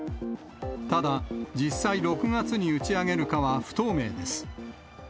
ただ実際、６月に打ち上げるかは不透明です。